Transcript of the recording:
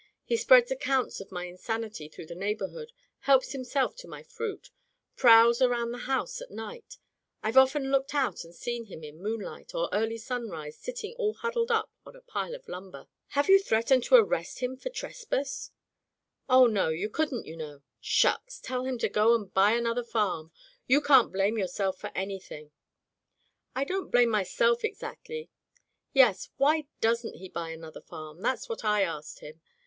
He spreads accounts of my insanity through the neighborhood, helps himself to my fruit, prowls around the house at night — I've often looked out and seen him in moon light or early sunrise sitting all huddled up on a pile of lumber." Digitized by LjOOQ IC Turned Out to Grass "Have you threatened to arrest him for trespass ?'* "Oh, no, you couldn't, you know/' "Shucks! Tell him to go and buy an other farm. You can't blame yourself for anything." "I don't blame myself, exactly. Yes, why doesn*t he buy another farm ? That's what I asked him.